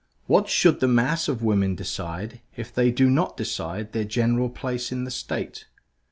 What should the mass of women decide if they do not decide their general place in the State?